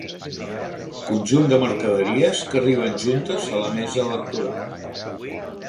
Conjunt de mercaderies que arriben juntes a la mesa electoral.